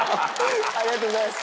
ありがとうございます。